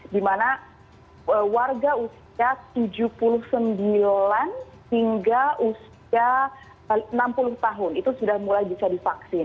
di mana warga usia tujuh puluh sembilan hingga usia enam puluh tahun itu sudah mulai bisa divaksin